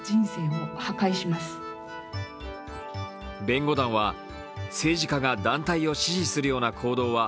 弁護団は政治家が団体を支持するような行動は